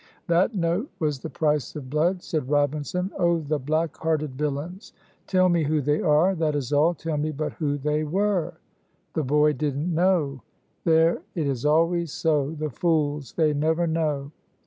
"That note was the price of blood," said Robinson. "Oh, the black hearted villains. Tell me who they were, that is all; tell me but who they were!" "The boy didn't know." "There! it is always so. The fools! they never know."